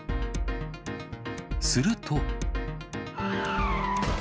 すると。